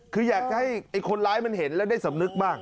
คืออยากจะให้คนร้ายมันเห็นแล้วได้สำนึกบ้าง